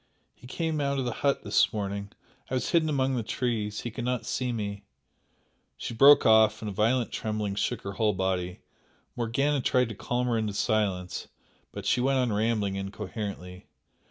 and he came out of the hut this morning I was hidden among the trees he could not see me " she broke off, and a violent trembling shook her whole body. Morgana tried to calm her into silence, but she went on rambling incoherently.